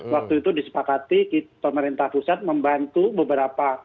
waktu itu disepakati pemerintah pusat membantu beberapa